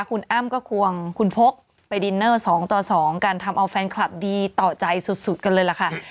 คุณอ้ำก็ควงคุณพกไปดินเนอร์๒ต่อ๒กันทำเอาแฟนคลับดีต่อใจสุดกันเลยล่ะค่ะ